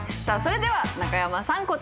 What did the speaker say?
さあそれでは中山さん。